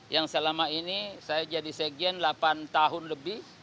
yang selama ini saya jadi sekjen delapan tahun lebih